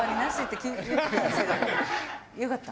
よかった？